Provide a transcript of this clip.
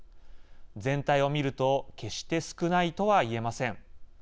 全体を見ると決して少ないとは言えません。